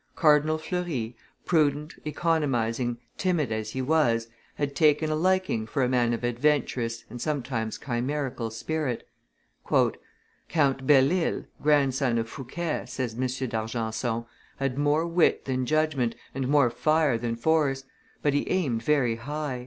Cardinal Fleury, prudent, economizing, timid as he was, had taken a liking for a man of adventurous, and sometimes chimerical spirit. "Count Belle Isle, grandson of Fouquet," says M. d'Argenson, "had more wit than judgment, and more fire than force; but he aimed very high."